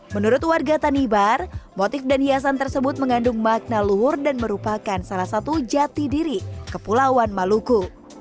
menurut warga tanibar motif dan hiasan tersebut mengandung makna luhur dan merupakan salah satu jati diri kepulauan maluku